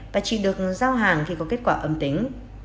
và chỉ được giao hàng khi có kết quả âm tính